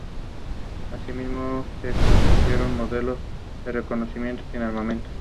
Desde entonces expone regularmente en galerías asturianas, principalmente en Oviedo y Gijón.